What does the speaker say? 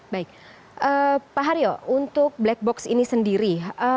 baik pak haryo untuk black box ini sendiri